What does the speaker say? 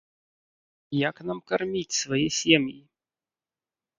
Як нам карміць свае сем'і?!